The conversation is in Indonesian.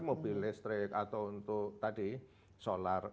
mobil listrik atau untuk tadi solar